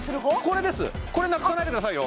これですこれなくさないでくださいよ